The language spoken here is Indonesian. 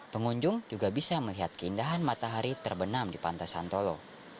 pengunjung juga bisa melihat keindahan matahari terbenam di pantai santolo